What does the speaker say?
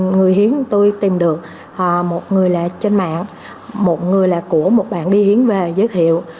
người hiến tôi tìm được một người là trên mạng một người là của một bạn đi hiến về giới thiệu